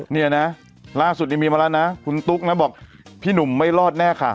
เนี่ยนะล่าสุดนี้มีมาแล้วนะคุณตุ๊กนะบอกพี่หนุ่มไม่รอดแน่ค่ะ